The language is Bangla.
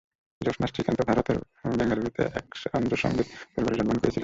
জ্যোৎস্না শ্রীকান্ত ভারতের বেঙ্গালুরুতে এক অন্ধ্র সংগীত পরিবারে জন্মগ্রহণ করেছিলেন।